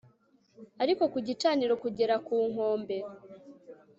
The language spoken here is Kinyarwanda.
ariko ku gicaniro kugera ku nkombe